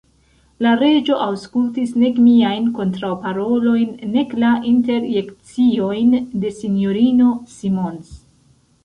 La Reĝo aŭskultis nek miajn kontraŭparolojn, nek la interjekciojn de S-ino Simons.